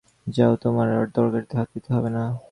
যাও, তোমার আর তরকারিতে হাত দিতে হইবে না।